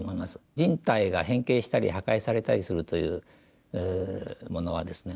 人体が変形したり破壊されたりするというものはですね